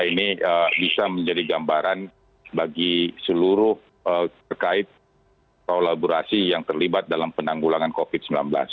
ini bisa menjadi gambaran bagi seluruh terkait kolaborasi yang terlibat dalam penanggulangan covid sembilan belas